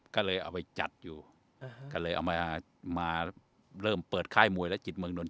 ก็เลยเอาไปจัดอยู่ก็เลยเอามาเริ่มเปิดค่ายมวยและจิตเมืองนนท